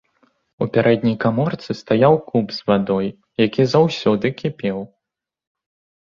У пярэдняй каморцы стаяў куб з вадой, які заўсёды кіпеў.